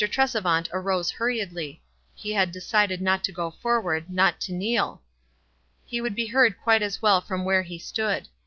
Tresevant arose hurriedly : he had decided not to go forward, not to kneel. He could be heard quite as well from where he stood.